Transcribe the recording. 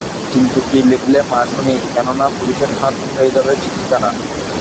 কিন্তু কী লিখলে মা শুনি, কেননা পুলিসের হাত হয়ে যাবে চিঠিখানা।